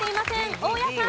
大家さん。